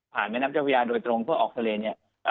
แม่น้ำเจ้าพระยาโดยตรงเพื่อออกทะเลเนี่ย